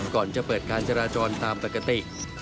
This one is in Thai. ก่อนจะเปิดการจราจรตามปกติ